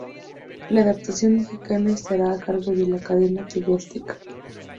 La adaptación mexicana estará a cargo de la cadena Tv Azteca.